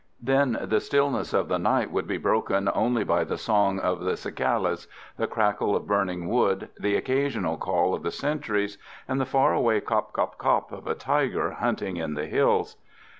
Then the stillness of the night would be broken only by the song of the cicalas, the crackle of burning wood, the occasional call of the sentries, and the far away cop! cop! cop! of a tiger hunting in the hills.